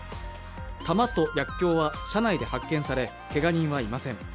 弾と薬きょうは車内で発見され、けが人はいません。